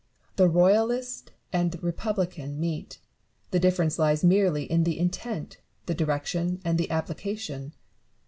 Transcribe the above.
The royalist and republican meet ; the difference lies merely in the intent, the direction, and the application.